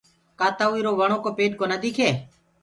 ڪدآ اِرو ڪوُ وڻو ڪو پيڏ ڪونآ ديِکي؟